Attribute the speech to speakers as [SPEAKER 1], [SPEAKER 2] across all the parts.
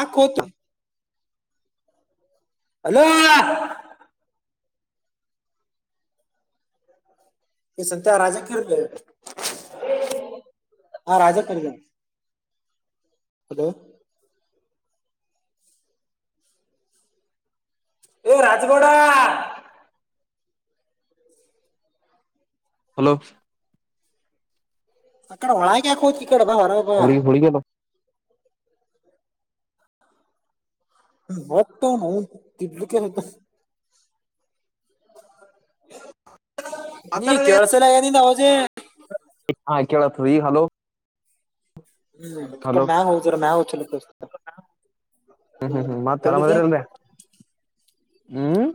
[SPEAKER 1] ಆ ಕೋತ ಅಲೋ ಎ ಸಂತ ರಾಜಾ ಕರ್ಗ ಹಾ ರಾಜ ಕ ಹಲೋ ರಾಜಗಡ
[SPEAKER 2] ಹಲೋ
[SPEAKER 1] ಅ ಕಡೆ ಹಳಗಕೋ ಇ ಕಡೆ ಬಾ ಹೊರಬಾ
[SPEAKER 2] ಹುಡುಗಿ ಹುಡುಗಿಲ್ಲ
[SPEAKER 1] ಹೊತ್ತತ ಹ ಕೆಲು ಕೆತ ನೀ ಕೆೇಳಸಲ್ಲಗ ನಿಿಂದ ಅವಜೆ
[SPEAKER 2] ಹಾ ಕಳ್ ಹಲೋ
[SPEAKER 1] ಹ್ಮ್ ಅ
[SPEAKER 2] ಹಲೋ
[SPEAKER 1] ಕಡೆ ಮ್ಯಾಾಗ್ ಹೋಗ್ತರ ಮ್ಯಾಗ್ ಚಲತ
[SPEAKER 2] ಹ್ಮ್ ಹ್ಮ್ ಹ್ಮ್ ಮತ್ತ ಆರಾಮ್ದ್ರ ಅಲ್ರರಿ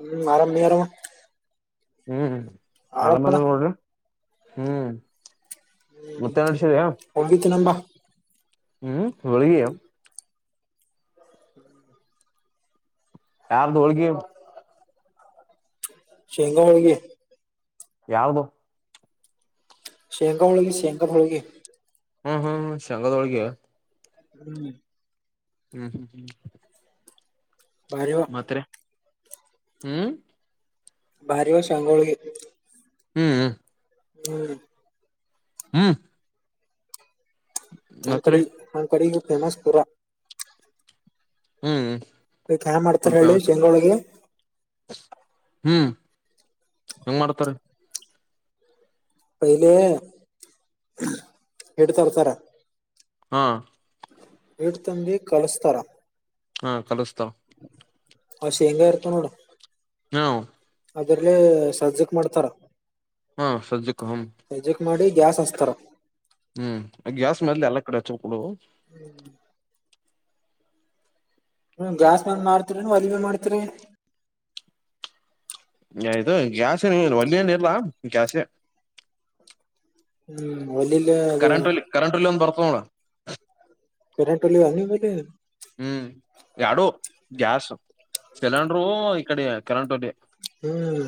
[SPEAKER 1] ಹ್ಮ್ ಆರಾಮೇ ಆರಾಮ
[SPEAKER 2] ಹ್ಮ್ ಅದ
[SPEAKER 1] ಆರಾಮದ
[SPEAKER 2] ಮಲೆ ನೋಡ್ರಿ ಹ್ಮ್
[SPEAKER 1] ಹ್ಮ್
[SPEAKER 2] ಮತ್ತೆ ನಡ್ಸಿದ
[SPEAKER 1] ಒಂಬಿತ್ತು ನಂಬಾ
[SPEAKER 2] ಹ್ಮ್ ಹಳಗೆಯ
[SPEAKER 1] ಹ್ಮ
[SPEAKER 2] ಯಾರ ದೌಡಗೆ
[SPEAKER 1] ಶೇಂಗ ಹಳಗೆ
[SPEAKER 2] ಯಾರ್ದು
[SPEAKER 1] ಶೇಂಂಗಾ ಹಳಗೆ ಶೇಂಗ ಹಳಗೆಿ
[SPEAKER 2] ಹ್ಮ್ ಹ್ಮ್್ಮ ಶ ಸಂಖದ ಹೋಳಗೆ
[SPEAKER 1] ಹ್ಮ್
[SPEAKER 2] ಹ್ಮ್ ಹ್ಮ್ ಹ್ಮ್
[SPEAKER 1] ಭಾರಿವ
[SPEAKER 2] ಮಾತ್ರ ಹ್ಮ್
[SPEAKER 1] ಭಾರಿ ವಷ ಅಂಗೋಳಿಗೆ
[SPEAKER 2] ಹ್ಮ್್ಮ
[SPEAKER 1] ಹ್ಮ್
[SPEAKER 2] ಹ್ಮ
[SPEAKER 1] ಚನ್ ಕಡಿ ಕನ್ ಕಡಿಗ ಫೇಮಸ್ ಪೂರ
[SPEAKER 2] ಹ್ಮ್
[SPEAKER 1] ಬ ಏನ್ ಮಾಡ್ತಾರ
[SPEAKER 2] ಫುಲ್
[SPEAKER 1] ಹೇಳಿ
[SPEAKER 2] ಫೇಮಸ್
[SPEAKER 1] ಶಂಗಗಳೋಳಗೆ
[SPEAKER 2] ಹ್ಮ್ ಹೆಂಗ ಮಾಡ್ತಾರ
[SPEAKER 1] ಪೆಹೆಲಿ ಹಿಂಡ್ ತರ್ತಾರ
[SPEAKER 2] ಹಾ
[SPEAKER 1] ಹಿಟ್ಟು ತಂಬಿ ಕಲಿಸುತ್ತಾರೆ
[SPEAKER 2] ಹಾ ಕಲಸ್ತಾರೆ
[SPEAKER 1] ಹ ಶೇಂಗ ಇರತನೋಡ
[SPEAKER 2] ಹ
[SPEAKER 1] ಅದ್ರಲೆ ಸಜ್ಜಕ್ ಮಾಡ್ತಾರ
[SPEAKER 2] ಹಾ ಸಜ್ಜಕ್ ಹ್ಮ್
[SPEAKER 1] ಸಜಕ್ ಮಾಡಿ ಗ್ಯಾಸ್ ಹಚ್ಚುತ್ತಾರೆ
[SPEAKER 2] ಹ್ಮ್ ಗ್ಯಾಸ್ ಮೇದಲೆ ಎಲ್ಲಾ ಕಡೆ ಹಚ್ಚಕಳ
[SPEAKER 1] ಹ್ಮ್ ಹ್ಮ ಗ್ಯಾಸ್ ಬಂದ್ ಮಾಡ್ತರಿ ಅಲಿ ಬ ಮಾಡ್ತರಿ
[SPEAKER 2] ದು ಗ್ಯಾಸ್ ನೀ ಒಳ್ಳಿಯನ ಇಲ್ಲಾ ಗ್ಯಾಾಸ
[SPEAKER 1] ಹ್ಮ್ ಒಲಲ್ಲ ಅದು
[SPEAKER 2] ಕರೆಂಟ್ ಒಲಿ ಒಂದ್ ಬರ್ತದ ನೋಡ
[SPEAKER 1] ಕರೆಂಟ್ ಒಲಿ ಏನ್ ನಿಮ್ ಬಲ್ಲಿ
[SPEAKER 2] ಹ್ಮ್ ಯಡೋ ಗ್ಯಾಸ್ ಸಿಲಿಂಡರು ಇಕಡೆ ಕೆರೆಂಟ್ ಹೋಲಿ
[SPEAKER 1] ಹ್ಮ್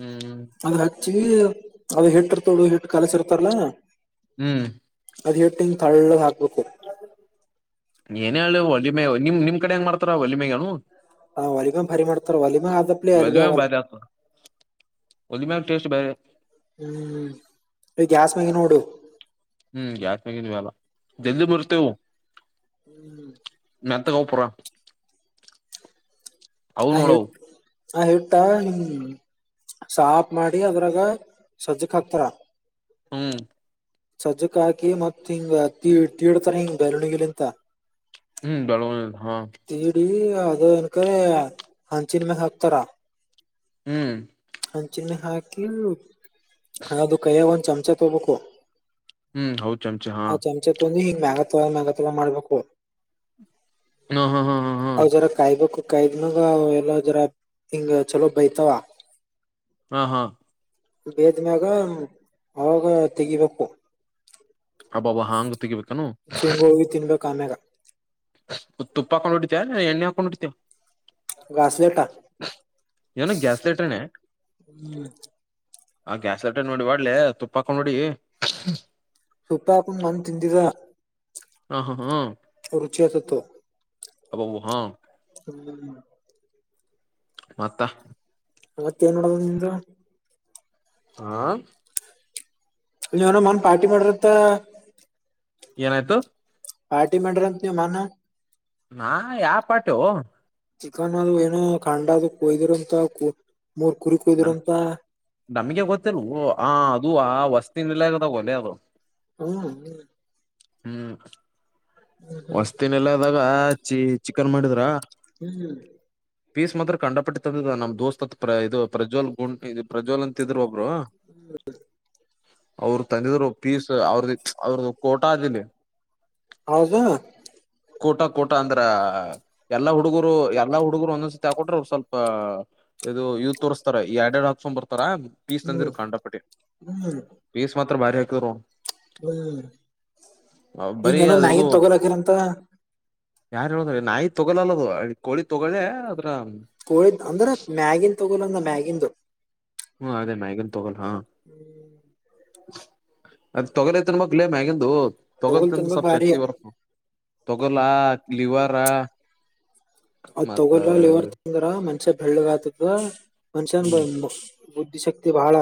[SPEAKER 2] ಹ್ಮ್
[SPEAKER 1] ಅದ್ ಹಾಕ್ಚ್ಚಿವ ಅದ ಹಿಟ್ಟಿರ್ತೊಳ ಹಿಟ್ಟ ಕಲಸ ಇರ್ತಾರಲ್ಲ
[SPEAKER 2] ಹ್ಮ್
[SPEAKER 1] ಅದು ಹಿಟ್ಟಿಂಗ್ ತಳ್ಳ ಹಾಕ್ಬೇಕು
[SPEAKER 2] ಏನೇ ಹೇಳ ಹೊಳ್ಳಿ ಮೇ ನಿಮ್ ನಿಮ್ ಕಡೆ ಹೆಂಗ ಮಾಡ್ತಾರ ಹೊಳ್ಳಿ ಮೇನು
[SPEAKER 1] ಹ ಒಲಿಮ ಭರಿ ಮಾಡ್ತಾರ ಒಲಿಮ ಆದಪ್ಲ ಅಲ್ಬಿ ಆಗಲ್ಲ
[SPEAKER 2] ಹೋಲಿ ಮೇಲೆ ಟೆಸ್ಟ್ ಬೇರೆ
[SPEAKER 1] ಹ್ಮ್ ಈ ಗ್ಯಾಸ್ ಮೇಲೆ ನೋಡು
[SPEAKER 2] ಹ್ಮ್ ಯಾಕಾಗಿದ್ವಿ ಅಲ್ಲ ದಲ್ಲಿ ಬರ್ತೇವು ನ ಪರ [unintelligible]
[SPEAKER 1] ಆಿು [unintelligible] ಆ ಹಿಟ್ಟ ಹ್ಮ ಸಾಫ ಮಾಡಿ ಅದ್ರಾಗ ಸಜ್ಜಕ್ ಹಾಕ್ತಾರ
[SPEAKER 2] ಹ್ಮ್
[SPEAKER 1] ಸಜ್ಜಕ ಹಾಕಿ ಮತ್ತತ್ ಹಿಂಗ ತೀಡ್ತಾರ ಹಿಂಗ್ ಬೆಳ್ಳುಣಗಿಲಿಂತ
[SPEAKER 2] ಹ್ಮ್ ಬೆಳಣ [unintelligible]
[SPEAKER 1] ತಿಡಿ ಅದ [unintelligible] ಏನ್ಕರಿ ಹಂಚಿನ ಮೇಲೆ ಹಾಕ್ತಾರ
[SPEAKER 2] ಹ್ಮ್
[SPEAKER 1] ಹಂಚಿಿನೆ ಹಾಕಿ ಅದು ಕಯ ಚಮಚಾ ತಗೋಬೇಕು
[SPEAKER 2] ಹ್ಮ್ ಹೌ ಚಮಚ ಹಾ
[SPEAKER 1] ಮ್ಯಘ ತೊಳ ಮ್ಯಘಾ ತೊಳ ಮಾಡ್ಬೇಕು [unintelligible]
[SPEAKER 2] ಹಾ ಹಾ ಹಾ ಹಾ
[SPEAKER 1] ಹೌ ಜರ ಕಾಯವ [unintelligible] ಕು ಕೈದನಾಗ ಎಲ್ಲದರ ಹಿಂಗ ಚಲೋ ಬೈತಾವ
[SPEAKER 2] ಹಾ ಹಾ
[SPEAKER 1] ಬೇದ್ಮ್ಯಾಗ ಅವಾಗ ತೆಗಿಬೇಕು
[SPEAKER 2] ಬಾಬ ಹಾಂಗ ತೆಗೆಗಬೇಕು
[SPEAKER 1] ಚಿಂಗ ಹಿ ತಿನ್ಬೇಕು ಆಮೇಾಗ
[SPEAKER 2] ತುಪ್ಪ ಹಾಕೊಂಡ್ಿಡ್ತಿಯಾ [unintelligible] ಎಣ್ಣೆ ಹಾಕೊಂಡ್ಿಡ್ತಿಯಾ
[SPEAKER 1] ಗಾಸ್ಲೇಟ
[SPEAKER 2] ವನ ಗ್ಯಾಸ್ ಲೇಟ್ರನ
[SPEAKER 1] ಹ್ಮ್
[SPEAKER 2] ಆ ಗ್ಯಾಸ್ ಲೀಟರ್ ನೋಡಿ ಬಡ್ಲೆ ತುಪ್ಪ ಹಾಕೊಂಡ್ ನೋಡಿ
[SPEAKER 1] ತುಪ್ಪ ಹಾಕೊಂಡ್ ಮಂದ ತಿಂದಿದ
[SPEAKER 2] ಹ ಹಾ ಹಾ
[SPEAKER 1] ಉರುಚಿಯತತ್ತುೋ
[SPEAKER 2] ಅಬ ಹಾ
[SPEAKER 1] ಹ್ಮ
[SPEAKER 2] ಮತ್ತ
[SPEAKER 1] ಮತ್ತ ಏನ್ ನೋಡುದು ನಿಮ್ದ
[SPEAKER 2] ಆ
[SPEAKER 1] ಇನ ಮನ್ ಪಾರ್ಟಿ ಮಾಡ್ರತ್ತ
[SPEAKER 2] ಏನಾಯ್ತು
[SPEAKER 1] ಪಾರ್ಟಿ ಮಾಡಂಡ್ರಂತ ನೀ ಮಾಾನ
[SPEAKER 2] ನಾ ಯಾವ ಪಾಠ
[SPEAKER 1] ಚಿಕನ್ ಅದು ಏನೋ ಖಂಡ ಅದು ಕೊಯ್ದರು ಅಂತ
[SPEAKER 2] ನ ನಮ್ಗೆ ಗೊತ್ತಲ್ ಆ ಅದು ಹಾ ವಸ್ತಿ ನಿಲ್ಲದಗಲ್ಲ ಅದು
[SPEAKER 1] ಹ್ಮ್
[SPEAKER 2] ಹ್ಮ್ ಹೊಸ್ತಿನ ಎಲ್ಲಾ ಇದಾಗ ಚಿ ಚಿಕನ್ ಮಾಡಿದ್ರ
[SPEAKER 1] ಹ್ಮ್ ಹ್ಮ್
[SPEAKER 2] ಸ್ ಮಾತ್ರ ಕಂಡಪಟ್ಟಂದ ನಮ್ ದೋಸ್ತ್ ಇದು ಪ್ರಜ್ವಲ್ ಗುಂಡ ಇದು ಪ್ರಜ್ವಲ್ ಅಂತ ಇದ್ರರು
[SPEAKER 1] ಹ್ಮ
[SPEAKER 2] ಅವರು ತಂದಿದ್ರು ಪೀಸ್ ಅವ್ರ ಅವರು ಕೋಟಾರಲ್ಲಿ
[SPEAKER 1] ಹೌದಾ
[SPEAKER 2] ಕೋಟ ಕೋಟ ಅಂದ್ರ ಎಲ್ಲಾ ಹುಡುಗರು ಎಲ್ಲಾ ಹುಡುಗರು ಒಂದೊಂದ್ಸತಿ ಹಾಕೊಟ್ರೆ ಸ್ವಲ್ಪ ಇದು ಯತ್ ತೋರಿಸತಾರೆ ಈ ಎಡಡ್ ಆಪ್ಸನ್ ಬರ್ತಾರ ಪೀಸ್
[SPEAKER 1] ಹ್ಮ್
[SPEAKER 2] ತಂದಿರು ಕಂಡಪಟ್ಟಿ
[SPEAKER 1] ಹ್ಮ್
[SPEAKER 2] ಪೀಸ್ ಮತ್ತೆ ಹತ್ರ ಭಾರ ಕರ್ಣ
[SPEAKER 1] ಹ್ಮ್ ಹಂಗ
[SPEAKER 2] ಬರೀ
[SPEAKER 1] ಏನೋ ಮ್ಯಾಗಿನ್ ತಗೋಲ್ ಹಾಕಿರಂತ
[SPEAKER 2] ಯಾರ್ು ಹೇಳುದ ನಾಯಿ ತೊಗೋಲ್ಲದು ಕಳಿ ತೊಗೊಳ್ಳೆ
[SPEAKER 1] ಕೋಳಿದ್ ಅಂದ್ರ ಮ್ಯಾಗಿನ್ ತಗೋಲಂದ ಮ್ಯಾಗಿನ್ಂದು
[SPEAKER 2] ಹ್ಮ್ ಅದೇ ಮ ಈಗನ್ ತಗೋಲ್ಲಾ
[SPEAKER 1] ಹ್ಮ್
[SPEAKER 2] ಅದ ತೊಗೋಲತಿನ್ ಮಕ್ಲೇ ಮಗಂದು
[SPEAKER 1] ತೊಗೋಲ್
[SPEAKER 2] ತೊಗೋಲ್ತನ್
[SPEAKER 1] ತಿನ್ಬೇಕ್
[SPEAKER 2] ಸ್ವಲ್ಪ್ ಶಕ್ತಿ
[SPEAKER 1] ಬಾರಿ
[SPEAKER 2] ಬರುತ್ತ ತೊಗಲಾ ಲವಾರಾ
[SPEAKER 1] ಅದ್ ತಗೋಲ್ಲ್ಇವರ್ ತಂದ್ರ ಮನ್ಷ್ ಬೆಳ್ಳಗ್ ಆತದ ಮನ್ಷನ್
[SPEAKER 2] ಹ್ಮ್
[SPEAKER 1] ಶಕ್ತಿ ಬಹಳ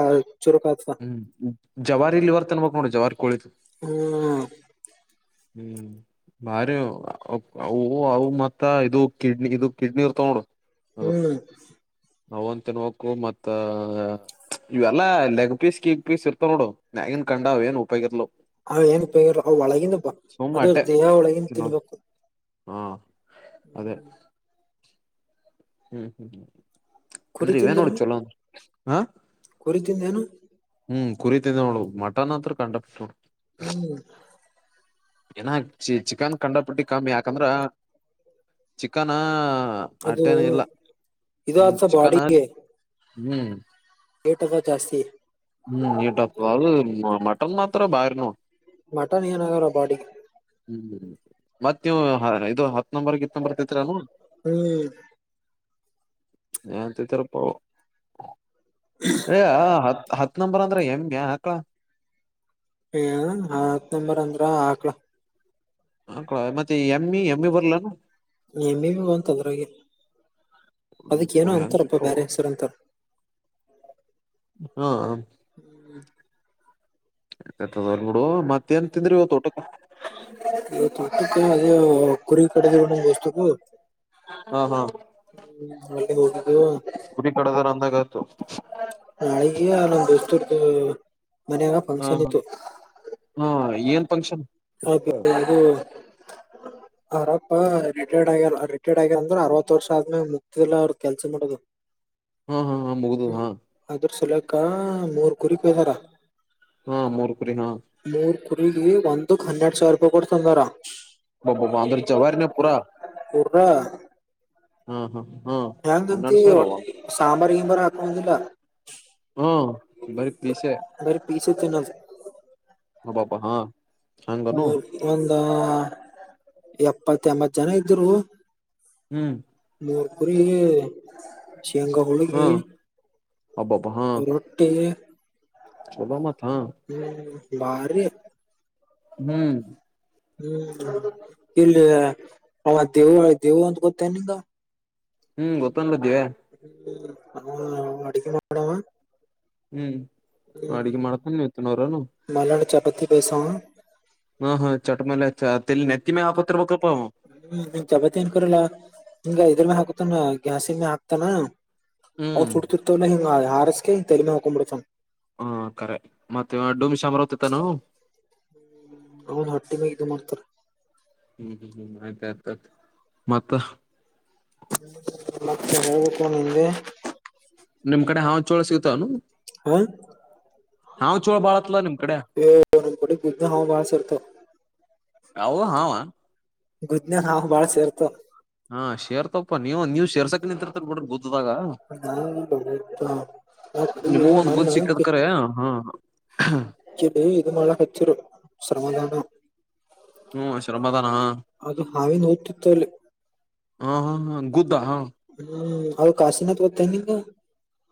[SPEAKER 1] ಚುರುಕ್ ಆಗ್ತದ
[SPEAKER 2] ಹ್ಮ್ ಜವಾರಿ ಇಲ್ಲಿ ಹೊರ್ತನ್ಬೇಕಕ್ ನೋಡು ಜವಾರಿ ಕೋಳಿದು
[SPEAKER 1] ಹ್ಮ್
[SPEAKER 2] ಹ್ಮ್ ಬಾರಿ ಅ ಅವು ಮತ್ತ ಇದು ಕಿಡ್ನಿ ಇದು ಕಿಡ್ನಿ ಇರ್ತಾವ ನೋಡು
[SPEAKER 1] ಹ್ಮ್
[SPEAKER 2] ನವು ಒಂದ ತಿನ್ವಕು ಮತ್ತ ಇವೆಲ್ಲಾ ಪೀಸ್ ಕೇಕ್ ಪೀಸ್ ಇರ್ತ ನೋಡು ಮ್ಯಾಗಿನ್ ಕಂಡ್ಏನ್ ಉಪಯೋಗಿಲು
[SPEAKER 1] ಹ ಏನ್ಪ ಅವ ಒಳಗಿಂದ ಬ
[SPEAKER 2] ಸುಮ್
[SPEAKER 1] ಅದು
[SPEAKER 2] ಅಟ್ಟೆ
[SPEAKER 1] ದೇಹ ಒಳಗಿಂದ
[SPEAKER 2] ತಿನ್ನೋದು
[SPEAKER 1] ತಿನ್ಬೇಕು
[SPEAKER 2] ಹಾ
[SPEAKER 1] ಹ್ಮ್
[SPEAKER 2] ಅದೇ ಹ್ಮ್ ಹ್ಮ್ ಹ್ಮ್
[SPEAKER 1] ಕುರಿ
[SPEAKER 2] ಅಂದ್ರೆ ಇವೇ ನೋಡ
[SPEAKER 1] ತಿಂದ್ರೇನು
[SPEAKER 2] ಚಲೋಂದ ಹ
[SPEAKER 1] ತಿಂದನು
[SPEAKER 2] ಹ್ಮ್ ಕುರಿತ ನೋ ಮಟನ್ ಹತ್ರ ಕಂಡ ನ
[SPEAKER 1] ಹ್ಮ್
[SPEAKER 2] ಏನ ಚ ಚಿಕನ್ ಕಂಡಪಟ್ಟಿ ಕಮ್ಮಿ ಯಾಕಂದ್ರ ಚಿಕನ್ ಹ
[SPEAKER 1] ಅದು
[SPEAKER 2] ಅಟ್ಟೇನ ಇಲ್ಲ
[SPEAKER 1] ಇದು
[SPEAKER 2] ಹ್ಮ
[SPEAKER 1] ಆತ
[SPEAKER 2] ಚಿಕನ್ ಹ ಹ್ಮ್
[SPEAKER 1] ಏಟಕ ಜಾಸ್ತಿ
[SPEAKER 2] ಹ್ಮ್ ನೀಟಪ್ಪ ಅದು ಮಟನ್ ಮಾತ್ರ ಭಾರನ
[SPEAKER 1] ಮಟನ್ ಏನಾಗರ ಪಾಡಿ
[SPEAKER 2] ಹ್ಮ್ ಮತ್ ನೀವು ಇದು ಹತ್ ನಂಬರ್ ಇತ್ ನಂಬರ್ ತತ್ರನು
[SPEAKER 1] ಹ್ಮ್
[SPEAKER 2] ಹತ ಪ ಹ ಹತ್ ನಂಬರ್ ಅಂದ್ರೆ ಹೆಮ್ಯಾ ಹಾಕ್ಳ
[SPEAKER 1] ಹಏ ಹತ್ನಂಬರ್ ಅಂದ್ರ ಹಾಕ್ಲ
[SPEAKER 2] ಹ ಕೊಡ ಮತ್ತೆ ಎಮ್ ಇ ಎಮ್ ಇ ಬರ್ಲಾನ
[SPEAKER 1] ನಿಮ್ಮಿ ಅಂತ ಅದ್ರಾಗ ಅದಕ್ಕ
[SPEAKER 2] ಯಪ್ಪೋ
[SPEAKER 1] ಏನೋ
[SPEAKER 2] ಹೆಂಗ್
[SPEAKER 1] ಅಂತಾರಪ್ಪಾ
[SPEAKER 2] ತಿಂತರೋ
[SPEAKER 1] ಬೇರೆ ಹೆಸರು ಅಂತಾರ
[SPEAKER 2] ಹ್ಮ
[SPEAKER 1] ಹ್ಮ್.
[SPEAKER 2] ಬಿಡು ಮತ್ತೆಏನ್ ತಿಂದ್ರಿ ತೋಟ
[SPEAKER 1] ತೊಟ್ಟಕ್ಕೆ ಅದೇ ಕುರಿಗ ಕಡೆದರುಣ ವಸ್ತುಕ
[SPEAKER 2] ಹಾ ಹಾ
[SPEAKER 1] ಹ್ಮೆ ಹಟಿದ್ದು
[SPEAKER 2] ತು
[SPEAKER 1] ನಾಳಗೆ ನಮ್ಮ ದಸ್ತರ್
[SPEAKER 2] ಹಾ ಹ್ಮ ಏನ್ ಫಂಕ್ಷನ್
[SPEAKER 1] ಅದ ಅರಪ್ಪಾ ರಿಟೈರ್ಡ್ ಆಗ್ಯಾರ ರಿಟೈರ್ಡ್ ಆಗ್ಯಾರ ಅಂದ್ರ ಅರವತ್ ವರ್ಷ ಆದ್ಮೇಗ ಮುಕ್ತಿದಿಲ್ಲ ಅವ್ರ ಕೆಲ್ಸ ಮಾಡೋದು
[SPEAKER 2] ಹಾ ಹಾ ಹಾ ಮುಗುದದ ಹಾ
[SPEAKER 1] ಕ ಮೂರ್ ಕುರಿಕ್ ಹತಾರ
[SPEAKER 2] ಹಾ ಮೂರ್ ಕುರಿ ಹಾ
[SPEAKER 1] ಮೂರ್ ಕುರವಿ ಒಂದಕ್ ಹನ್ನರಡ್ ಸಾವಿರ ರೂಪಾಯಿ ಕೊಡ್ತಂದಾರ
[SPEAKER 2] ಬಬ್ಬ ಬಾಂದ್ರ ಚವಾರೆ ಪುರ
[SPEAKER 1] ವಾ
[SPEAKER 2] ಹಾ ಹಾ ಹಾ
[SPEAKER 1] ಹೆಯಾಂಗಂತಿ
[SPEAKER 2] ಹನ್ನೆರಡ್ ಸಾವಿರ ಅವ
[SPEAKER 1] ಸಾಂಬಾರ್ ಗಿಂಬಾರ್ ಹಾಕೊದಿಲ್ಲ
[SPEAKER 2] ಹಾ ಬರಿ ಪೀಸೆ
[SPEAKER 1] ಬರೆ ಪೀಸ ತಿನ್ನದು
[SPEAKER 2] ಹ ಪಾಪ ಹಾ ಹಂಗನು
[SPEAKER 1] ಒಂದ ಎಪ್ಪತ್ತ ಎಂಬತ್ ಜನ ಇದ್ರು
[SPEAKER 2] ಹ್ಮ್
[SPEAKER 1] ಮೂರ್ ಕುುರಿ ಶೇಂಗಾ
[SPEAKER 2] ಹಾ
[SPEAKER 1] ಹುಳಗಿ ರೊಟ್ಟಿ
[SPEAKER 2] ಒಬಾಮ
[SPEAKER 1] ಹ್ಮ ಬಾರ
[SPEAKER 2] ಹ್ಮ್
[SPEAKER 1] ಹ್ಮ್ ಇಲ್ಲಿ ಅವ ದೇವ ದೇವು ಅಂತ ಗೊತ್ತ ನಿಂಗ
[SPEAKER 2] ಹ್ಮ್ ಗೊತ್ತಂದ್ದೀ
[SPEAKER 1] ಅಡಕ್ಕೆ ಮಾಡಾಮ
[SPEAKER 2] ಹ್ಮ್ ಅಡಿಗೆ ಮಾಡ್ತಾನ ಇತ್ತುನೋರನು
[SPEAKER 1] ಪ್ರತಿ ಪೈಸಾ
[SPEAKER 2] ಚಲ್ಲಿ ನೆತ್ತಮ ಆಪತ್ರರ
[SPEAKER 1] ಹ್ಮ್ ನಿ ಚಪಾತಿ ಏನ್ಕರಲ್ಲಾ ಹಿಂಗ ಇದ್ರ ಮ ಹಾಕತಾನ ಗ್ಯಾಸ್ ಇಂದೇ ಹಾಕ್ತಾನ
[SPEAKER 2] ಹ್ಮ್
[SPEAKER 1] ಫುರ್ತುತ ಹಾರಸಕ್ಕೆ ತರಿಮ ಹಕುಮ ರತ
[SPEAKER 2] ಹಾ ಕರೆ ಮತ್ತೆ ಡೂಮಿಶ ಅಮರಾವತಿತ್ತಾನ
[SPEAKER 1] ಅವನ್ ಹಟ್ಟಿಮ ಇದು ಮಾಡ್ತಾರ
[SPEAKER 2] ಹ್ಮ್ ಹ್ಮ್ ಹ್ಮ್ ಆಯ್ತ ಆ್ತತ್ ಮತ್ತ
[SPEAKER 1] ಮ ಹೇಳ್ಬೇಕು ನಿಮಗೆ
[SPEAKER 2] ನಿಮ್ ಕಡೆ ಹಾ ಚೋಳ ಸಿಗತನು
[SPEAKER 1] ಹಾ
[SPEAKER 2] ಹಾವ್ ಚೋಳ ಬಾಳತ್ಲ ನಿಮ
[SPEAKER 1] ಗ ಹ ಬ ಸರ್ತ
[SPEAKER 2] ಅವು ಹಾವ ಹಾ ಶೇರ್ತಪ್ಪ ನೀವು ನೀವ್ ಶೇರ್ಸಕ ನಿಂತರ್ತ ಬಿಡ ಗೊತ್ತ
[SPEAKER 1] [unintelligible]
[SPEAKER 2] ನಿಮಗೂ ಒಂದ್ ಗುದ್ ಸಿಕ್ಕದ್ ಕರೆ ಹಾ
[SPEAKER 1] ಎಡಿ ಇದು ಮಳ ಹಚ್ಚರು ಸರ್ಮಧಾನ
[SPEAKER 2] ಹ್ಮ್ ಶ್ರಮದ
[SPEAKER 1] ಅದು ಹಾವೇ ನೋದ್ತಿತ್ತುಲ್ಲಿ
[SPEAKER 2] ಹಾ ಹಾ ಹಾ ಗ
[SPEAKER 1] ಹ್ಮ್ ಅವ ಕಾಶಿನಾಥ್ ಗೊತ್ತನಾ ನಿಂಗ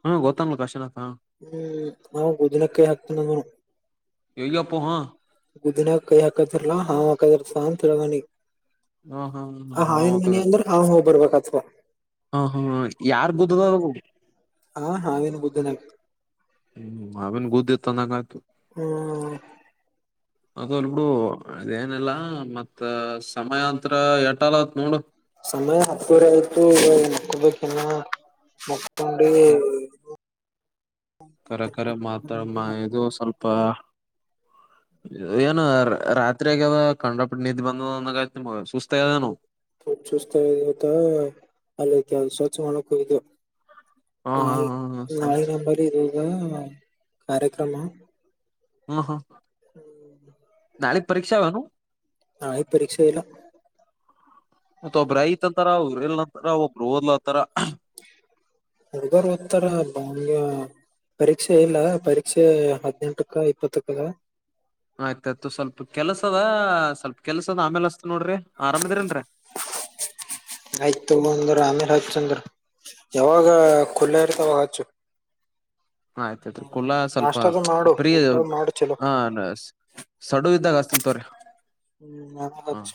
[SPEAKER 2] ಹ್ಮಂ ಗೊತ್ತಮ ಕಾಶಿನಾಥ್
[SPEAKER 1] ಹ್ಮ್ ನಾವು ಗುದಿನಕ್ಕಯ ಕೈ ಹಾಕ್ತೀನ ನೋಡು
[SPEAKER 2] ಎಲ್ಲಪ್ಪ ಹಾ
[SPEAKER 1] ಹುದ್ದನ್ಯಾಗ್ ಕೈ ಹಾಕತೀರ್ಲ ಹಾವ [unintelligible]
[SPEAKER 2] ಹಾ ಹಾ
[SPEAKER 1] ಆ
[SPEAKER 2] ಹಾವ
[SPEAKER 1] ಹಾವಿನ ಮನಿ
[SPEAKER 2] ಕದ್ರ
[SPEAKER 1] ಅಂದ್ರ ಹಾಂವ ಹೋಗ್ ಬರ್ಬೇಕಥದ
[SPEAKER 2] ಹಾ ಹಾ ಯಾರ್ ಗುದ್ದದೋಳ್ಗ
[SPEAKER 1] ಆ ಹಾವಿನ ಗುದಿನಾಗ
[SPEAKER 2] ಹು ಹಾವಿನ ಗುದ್ದ ಇತ್ತ ಅಂದಂಗ ಆತು.
[SPEAKER 1] ಹ್ಮ್
[SPEAKER 2] ಅದು ಅಲ್ ಬಿಡು ಅದೇನೀಲ್ಲಾ ಮತ್ತ ಸಮಯಾಂತ್ರ ಯಾಟ್ಟದ ನೋಡು
[SPEAKER 1] ಸಮಯ ಹತ್ತುವರಿ ಆಗೇತಿ ಇನ್ನ ಮಕ್ಕೋಬೇಕ ಇನ್ನಾ ಮ ಕೊಂಡಿವಿ
[SPEAKER 2] ಕರೆ ಕರೆ ಮಾತ್ರಮ್ಮ ಇದು ಸ್ವಲ್ಪ ಏನ ರಾತ್ರಿ ಆಗೇದ ಕಂಡಾಪಟ್ಟಿ ನಿದ್ದಿ ಬಂದ ಅಂದಂಗೈತಿ ನಿಮಗ ಸುಸ್ತ ಆಗ್ಯದೇನು
[SPEAKER 1] ಫುಲ್ ಸುಸ್ತ ಆಗೇದ ಇವತ್ತಾ ಅಲ್ಲಿ ಕೆಲಸೊಚ್ ಮಾಡಕ್ ಹೋಗಿದ್ಯು.
[SPEAKER 2] ಹಾ ಹಾ
[SPEAKER 1] ನಾಯಿ
[SPEAKER 2] ಹಾ ಹಾ ಸರಿ
[SPEAKER 1] ನಾಯಿ
[SPEAKER 2] ಸರಿ
[SPEAKER 1] ನಂಬರ್ ಇರೊದ ಹಾ ಕಾರ್ಯಕ್ರಮ
[SPEAKER 2] ಹಾ ಹಾ.
[SPEAKER 1] ಹ್ಮ್
[SPEAKER 2] ನಾಳಿಗ ಪರೀಕ್ಷೆ ವನು
[SPEAKER 1] ನಾಳಿಗ ಪರೀಕ್ಷೆ ಇಲ್ಲ.
[SPEAKER 2] ಮತ್ತ ಒಬ್ಬ್ರ ಐತಿ ಅಂತರ ಒಬ್ರ ಇಲ್ಲ ಅಂತರ ಒಬ್ರ ಓದ್ಲ
[SPEAKER 1] ಹುಡ್ಗರು ಓದ್ತಾರ ಒಮ್ಗೆ ಪರೀಕ್ಷೆ ಇಲ್ಲ ಪರೀಕ್ಷೆ ಹದಿನೆಂಟ್ಕ ಇಪ್ಪತ್ತಕ್ಕ ಅದಾವ್
[SPEAKER 2] ಅ ಸ್ವಲ್ಪ ಕೆಲ್ಸ ಅದ್ ಆಮೇಲ್ ಹಚ್ಚತೀನಿ ನೋಡ್ರಿ ಆರಾಮ ಅದಿರಿಲ್ರಿ
[SPEAKER 1] ಆಯ್ತ ತಗೋ ಅಂದ್ರ ಆಮೇಲೆ ಹಚ್ಚ ಹಂಗರ್ ಯಾವಾಗ ಕುಲ್ಲಾ ಇರ ಅವಾಗ್ ಹಚ್ಚು.
[SPEAKER 2] ಆಯ್ತ ಆಯ್ತ್ರಿ ಕುಲ್ಲಾ ಸ್ವಲ್ಪ
[SPEAKER 1] ನಾಷ್ಟದು ಮಾಡು
[SPEAKER 2] ಪ್ರಿ
[SPEAKER 1] ಊಟ ಮಾಡು ಚಲೋ
[SPEAKER 2] ಹ ನ್ಸ ಸಡವ ಇದ್ದಾಗ ಹಸ್ತನ್ ತಗೋರಿ.
[SPEAKER 1] ಹ್ಮ್ ಆಮೇಲ
[SPEAKER 2] ಹಾ
[SPEAKER 1] ಹಚ್ಚ.